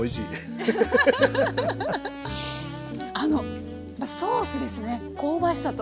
あのソースですね香ばしさと。